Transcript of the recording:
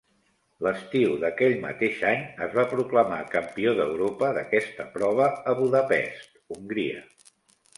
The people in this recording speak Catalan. L'estiu d'aquell mateix any es va proclamar campió d'Europa d'aquesta prova a Budapest, Hongria.